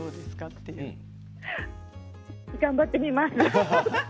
笑い声頑張ってみます。